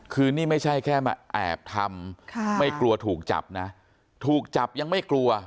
คือนี่ไม่ใช่แค่มาแอบทำไม่กลัวถูกจับนะถูกจับยังไม่กลัว